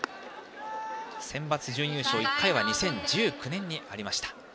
センバツ準優勝１回は２０１９年にありました。